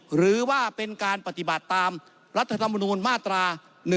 หรือว่าเป็นการปฏิบัติตามรัฐธรรมนูญมาตรา๑๑